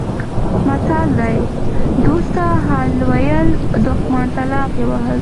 متل دی: دوست ته حال ویل دښمن ته لافې وهل